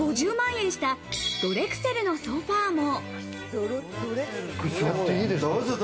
３５０万円したドレクセルのソファも。